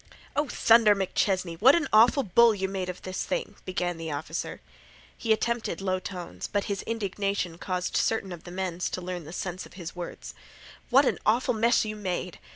"Oh, thunder, MacChesnay, what an awful bull you made of this thing!" began the officer. He attempted low tones, but his indignation caused certain of the men to learn the sense of his words. "What an awful mess you made!